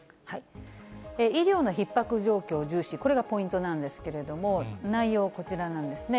医療のひっ迫状況を重視、これがポイントなんですけれども、内容、こちらなんですね。